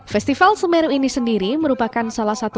festival semeru ini sendiri merupakan salah satu